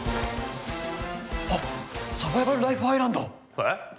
あっサバイバルライフアイランドえっ？